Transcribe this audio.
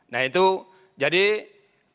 nah itu jadi kami sampai ke